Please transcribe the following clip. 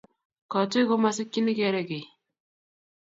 kotuii komakosikyini keree kei